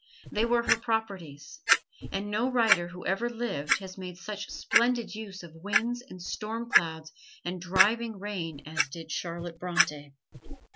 They were her properties, and no writer who ever lived has made such splendid use of winds and storm clouds and driving rain as did Charlotte Bronte.